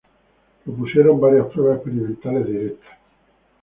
Propusieron varias pruebas experimentales directas.